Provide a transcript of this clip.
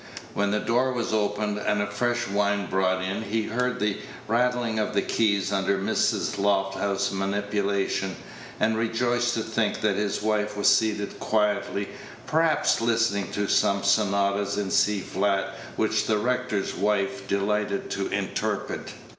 When the door was opened and fresh wine brought in, he heard the rattling of the keys under Mrs. Lofthouse's manipulation, and rejoiced to think that his wife was seated quietly, perhaps, listening to those sonatas in C flat which the rector's wife delighted to interpret.